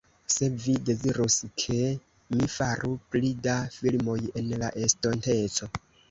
se vi dezirus, ke mi faru pli da filmoj en la estonteco